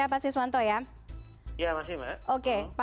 ya masih mbak